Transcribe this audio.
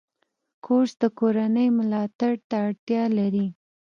کورس د کورنۍ ملاتړ ته اړتیا لري.